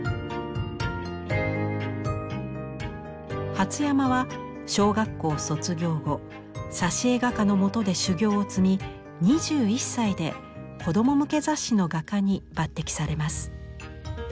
初山は小学校卒業後挿絵画家のもとで修業を積み２１歳で子供向け雑誌の画家に抜てきされます。